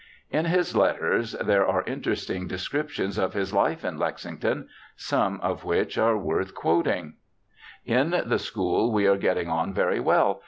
In his letters there are interesting descriptions of his life in Lexington, some of which are worth quoting :* In the school we are getting on very well.